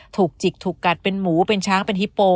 ถูกจิกถูกกัดเป็นหมูเป็นช้างเป็นฮิปโป